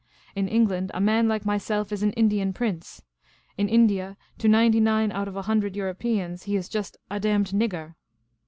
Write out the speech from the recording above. In England, a man like myself is an Indian prince ; in India, to ninety nine out of a hundred Europeans, he is just 'a damned nigger.'